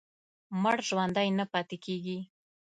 مړ ژوندی نه پاتې کېږي.